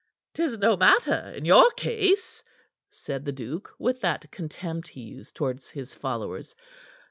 "'Tis no matter in your case," said the duke, with that contempt he used towards his followers.